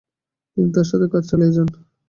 তিনি তার সাথেও কাজ চালিয়ে যান।